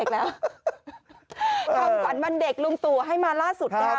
คำขวัญวันเด็กลุงตู่ให้มาล่าสุดนะคะ